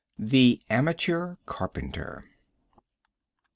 The Amateur Carpenter.